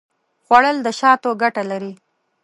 خوړل د شاتو ګټه لري